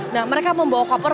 nah mereka membawa koper